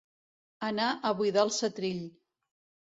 Anar a buidar el setrill.